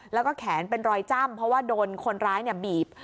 แล้วก็แขนเป็นรอยจ้ำเพราะว่าโดนคนร้ายบีบ